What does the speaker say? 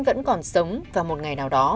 vẫn còn sống và một ngày nào đó